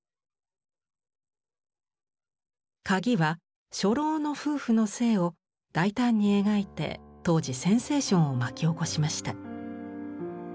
「鍵」は初老の夫婦の性を大胆に描いて当時センセーションを巻き起こしました。